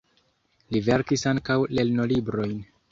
Li verkis ankaŭ lernolibrojn.